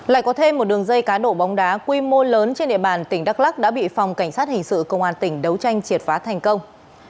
lại có thêm một đường dây cá độ bóng đá quy mô lớn trên địa bàn tỉnh đắk lắc đã bị phòng cảnh sát hình sự công an tỉnh đấu tranh triệt phá thành công